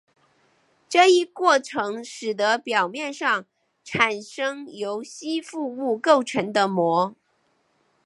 这一过程使得表面上产生由吸附物构成的膜。